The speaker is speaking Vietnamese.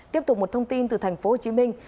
tiếp tục một thông tin từ thành phố hồ chí minh